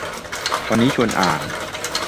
วันนี้ชวนอ่าน